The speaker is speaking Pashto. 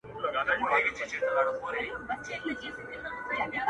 • هر څه هماغسې مبهم پاتې کيږي..